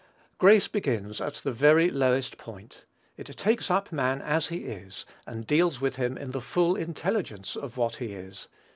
Grace begins at the very lowest point. It takes up man as he is, and deals with him in the full intelligence of what he is.